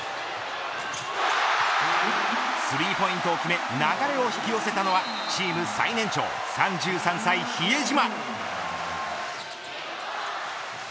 スリーポイントを決め流れを引き寄せたのはチーム最年長３３歳、比江島。